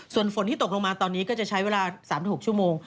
ส่วนฝนที่ตกลงมาตอนนี้ก็จะใช้เวลา๓๖ชั่วโมง